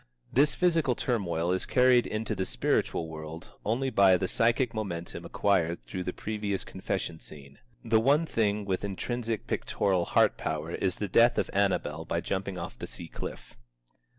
This physical turmoil is carried into the spiritual world only by the psychic momentum acquired through the previous confession scene. The one thing with intrinsic pictorial heart power is the death of Annabel by jumping off the sea cliff.